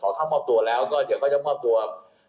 ขอเข้ามอบตัวแล้วก็เดี๋ยวก็จะมอบตัวเอ่อ